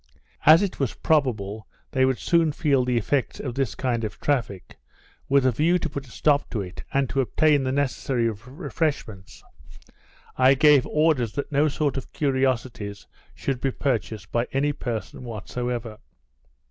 As it was probable they would soon feel the effects of this kind of traffic, with a view to put a stop to it, and to obtain the necessary refreshments, I gave orders that no sort of curiosities should be purchased by any person whatever.